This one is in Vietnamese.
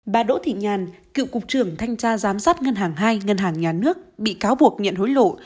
bà đỗ thị nhàn cựu cục trưởng thanh tra giám sát ngân hàng hai ngân hàng nhà nước bị cáo buộc nhận hối lộ